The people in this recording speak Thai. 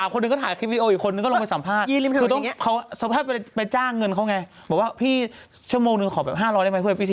ผู้หญิงไงผู้หญิงไงครับ